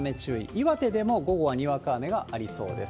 岩手でも午後はにわか雨がありそうです。